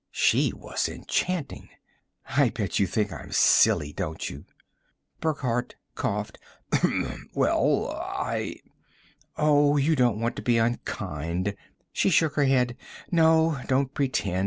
She was enchanting. "I bet you think I'm silly, don't you?" Burckhardt coughed. "Well, I " "Oh, you don't want to be unkind!" She shook her head. "No, don't pretend.